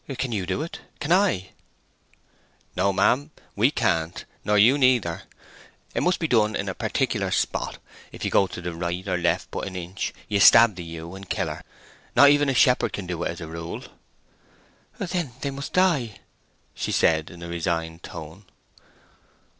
"Can you do it? Can I?" "No, ma'am. We can't, nor you neither. It must be done in a particular spot. If ye go to the right or left but an inch you stab the ewe and kill her. Not even a shepherd can do it, as a rule." "Then they must die," she said, in a resigned tone.